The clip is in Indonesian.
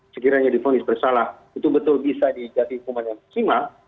sekiranya difonis bersalah itu betul bisa dijati hukuman yang maksimal